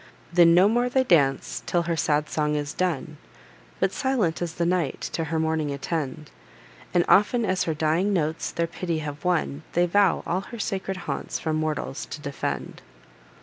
Then no more they dance, till her sad song is done, But, silent as the night, to her mourning attend; And often as her dying notes their pity have won, They vow all her sacred haunts from mortals to defend.